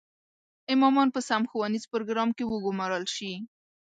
امامان په سم ښوونیز پروګرام کې وګومارل شي.